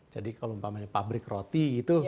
jadi kalau misalnya pabrik roti gitu